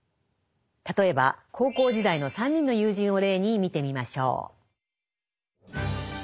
例えば高校時代の３人の友人を例に見てみましょう。